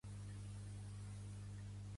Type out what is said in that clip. Les lloances dels seus entusiastes.